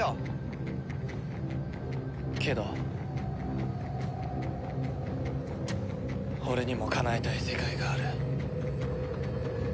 けど俺にもかなえたい世界がある。